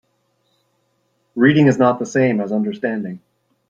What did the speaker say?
Reading is not the same as understanding.